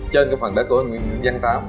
trên cái phần đất của anh nguyễn văn tám